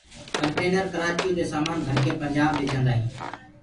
ڪنٽينر ڪرآچيو دي سآمآن ڀرڪي پنٚجآب ليجآنٚدآ هينٚ